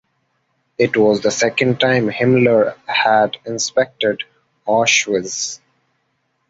It was the second time Himmler had inspected Auschwitz.